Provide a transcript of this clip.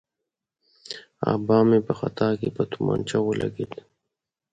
آبا مې په خطا کې په تومانچه ولګېد.